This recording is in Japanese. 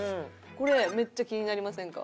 これめっちゃ気になりませんか？